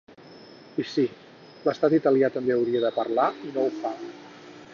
I sí, l’estat italià també hauria de parlar i no ho fa.